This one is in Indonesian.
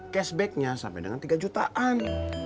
cashback nya sampai dengan tiga jutaan